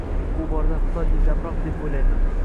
Bu borada Xitoy ildamroq, deb oʻylayman.